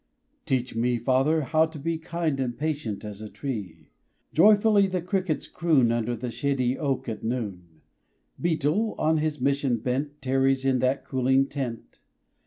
Teach me, Father, how to be Kind and patient as a tree. Joyfully the crickets croon Under shady oak at noon; Beetle, on his mission bent, Tarries in that cooling tent.